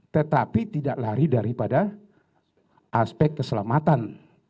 tetapi tidak lari daripada aspek keselamatan